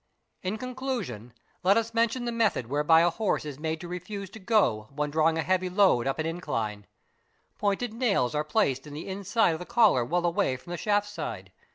In conclusion let us mention the method whereby a horse is made to SAE Sen 2 hs EE € Ree) OS PPR SRSA eee. _ refuse to go when drawing a heavy load up an incline. Pointed nails are placed in the inside of the collar well away from the shaft side.